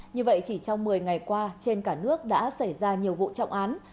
như vậy chỉ trong một mươi ngày qua trên cả nước đã xảy ra nhiều vụ trọng án